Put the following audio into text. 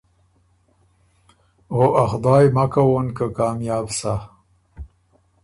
او ا خدایٛ مک کوون که کامیاب سَۀ۔